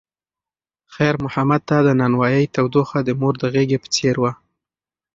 خیر محمد ته د نانوایۍ تودوخه د مور د غېږې په څېر وه.